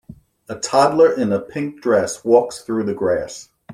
A toddler in a pink dress walks through the grass.